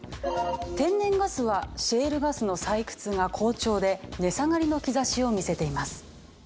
天然ガスはシェールガスの採掘が好調で値下がりの兆しを見せています。